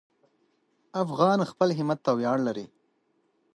افغان خپل همت ته ویاړ لري.